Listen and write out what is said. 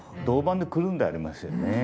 銅板でくるんでありますよね。